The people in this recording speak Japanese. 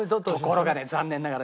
ところがね残念ながらね